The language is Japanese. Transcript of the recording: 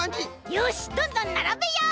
よしどんどんならべよう！